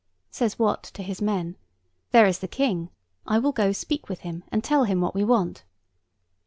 Says Wat to his men, 'There is the King. I will go speak with him, and tell him what we want.